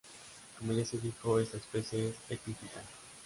Como ya se dijo, esta especie es epífita.